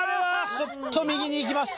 ちょっと右に行きました。